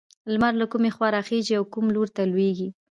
لمر له کومې خوا راخيژي او کوم لور ته لوېږي؟